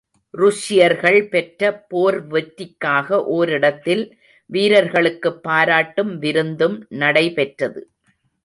ருஷ்யர்கள் பெற்ற போர் வெற்றிக்காக ஓரிடத்தில் வீரர்களுக்குப் பாராட்டும் விருந்தும் நடைபெற்றது.